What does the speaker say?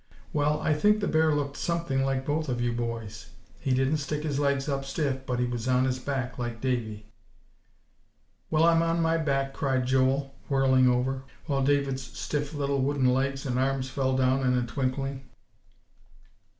Well, I think the bear looked something like both of you boys. He didn't stick his legs up stiff, but he was on his back like Davie." "Well, I'm on my back," cried Joel, whirling over; while David's stiff little wooden legs and arms fell down in a twinkling.